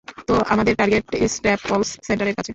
তো, আমাদের target Staples সেন্টারের কাছে।